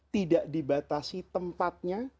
tidak dibatasi tempatnya